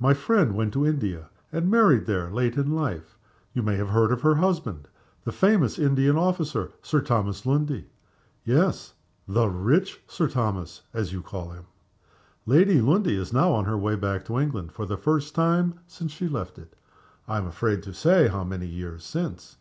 My friend went to India, and married there late in life. You may have heard of her husband the famous Indian officer, Sir Thomas Lundie? Yes: 'the rich Sir Thomas,' as you call him. Lady Lundie is now on her way back to England, for the first time since she left it I am afraid to say how many years since.